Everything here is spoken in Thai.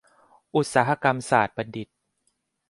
อุตสาหกรรมศาสตรบัณฑิต